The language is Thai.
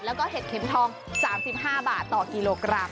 แล้วก็เห็ดเข็มทอง๓๕บาทต่อกิโลกรัม